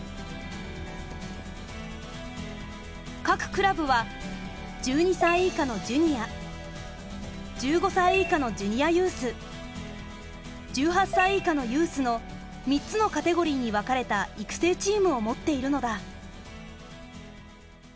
各クラブは１２歳以下のジュニア１５歳以下のジュニアユース１８歳以下のユースの３つのカテゴリーに分かれた育成チームを持っているのだ。